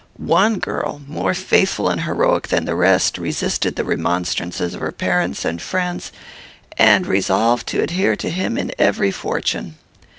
One girl, more faithful and heroic than the rest, resisted the remonstrances of her parents and friends, and resolved to adhere to him in every fortune.